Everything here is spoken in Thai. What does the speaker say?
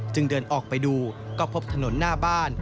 เดินออกไปดูก็พบถนนหน้าบ้าน